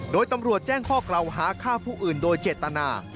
โดยตำรวจแจ้งข้อกล่าวหาฆ่าผู้อื่นโดยเจตนา